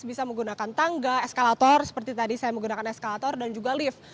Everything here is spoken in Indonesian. bisa menggunakan tangga eskalator seperti tadi saya menggunakan eskalator dan juga lift